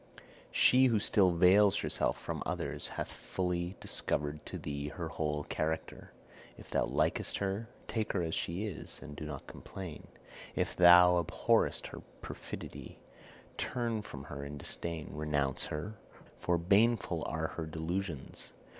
She who still veils herself from others hath fully discovered to thee her whole character. If thou likest her, take her as she is, and do not complain. If thou abhorrest her perfidy, turn from her in disdain, renounce her, for baneful are her delusions.